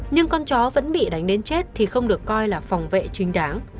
nhưng con chó vẫn bị đánh đến chết thì không được coi là phòng vệ chính đáng